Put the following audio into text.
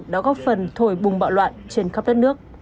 đã góp phần thổi bùng bạo loạn trên khắp đất nước